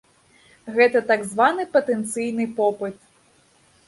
Гэта так званы патэнцыйны попыт.